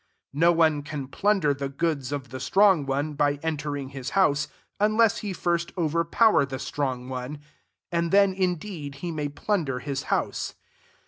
2r " No one can plunder the goods of the strong one, by en tering his house, unless he first overpower the strong one : a^nd then, indeed, he may plunder: his house.